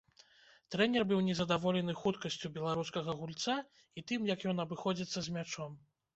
Трэнер быў незадаволены хуткасцю беларускага гульца і тым, як ён абыходзіцца з мячом.